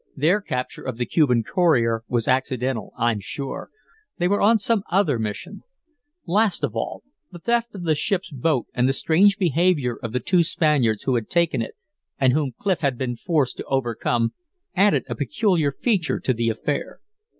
Their capture of the Cuban courier was accidental, I'm sure. They were on some other mission." Last of all, the theft of the ship's boat and the strange behavior of the two Spaniards who had taken it and whom Clif had been forced to overcome added a peculiar feature to the affair.